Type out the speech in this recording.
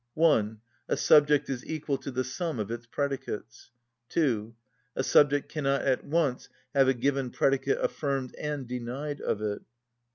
(1.) A subject is equal to the sum of its predicates. (2.) A subject cannot at once have a given predicate affirmed and denied of it.